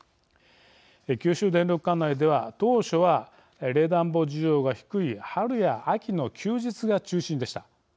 九州電力管内では当初は冷暖房需要が低い春や秋の休日が中心でした。